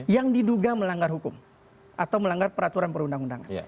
yang diduga melanggar hukum atau melanggar peraturan perundang undangan